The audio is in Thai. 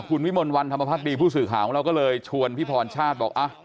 คุณวิมลวันธรรมภักดีผู้สื่อข่าวของเราก็เลยชวนพี่พรชาติบอก